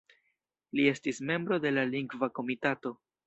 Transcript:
Li estis membro de la Lingva Komitato.